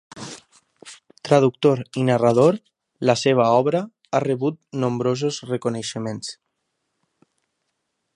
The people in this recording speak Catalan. Traductor i narrador, la seva obra ha rebut nombrosos reconeixements.